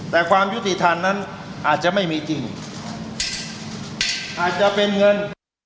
แต่ความยุติธรรมนั้นอาจจะไม่มีจริงอาจจะเป็นเงิน